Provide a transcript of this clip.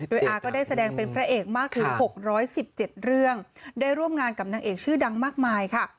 โดยอาก็ได้แสดงเป็นพระเอกมากถึง๖๑๗เรื่องได้ร่วมงานกับนางเอกชื่อดังมากมายค่ะ